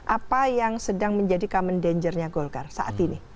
apa yang sedang menjadi common danger nya golkar saat ini